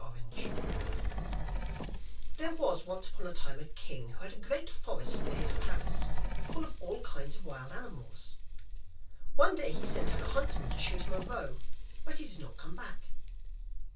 IRON HANS There was once upon a time a king who had a great forest near his palace, full of all kinds of wild animals. One day he sent out a huntsman to shoot him a roe, but he did not come back.